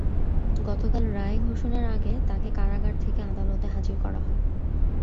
গতকাল রায় ঘোষণার আগে তাঁকে কারাগার থেকে আদালতে হাজির করা হয়।